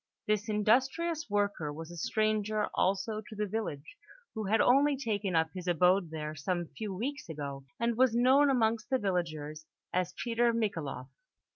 This industrious worker was a stranger also to the village, who had only taken up his abode there some few weeks ago, and was known amongst the villagers as Peter Michaeloff.